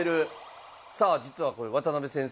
さあ実はこれ渡辺先生